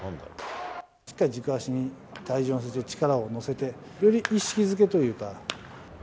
しっかり軸足に体重を乗せて、力を乗せて、より意識づけというか。